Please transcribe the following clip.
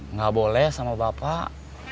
nggak boleh sama bapak